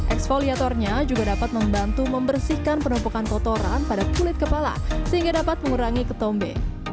eksfoliatornya juga dapat membantu membersihkan penumpukan kotoran pada kulit kepala sehingga dapat mengurangi ketombe